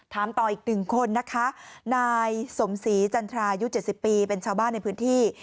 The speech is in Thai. ถามต่ออีกหนึ่งคนนะคะนายสมศรีจันทรายุ๗๐ปีเป็นชาวบ้านในพื้นที่